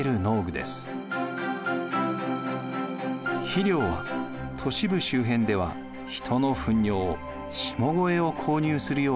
肥料は都市部周辺では人のふん尿下肥を購入するようになりました。